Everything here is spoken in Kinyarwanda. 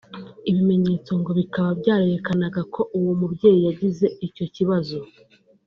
Ibimenyetso ngo bikaba byarerekanaga ko uwo mubyeyi yagize icyo kibazo